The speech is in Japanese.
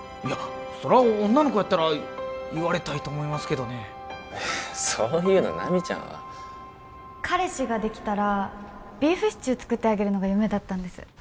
いやそら女の子やったら言われたいと思いますけどねそういうの奈未ちゃんは彼氏ができたらビーフシチュー作ってあげるのが夢だったんです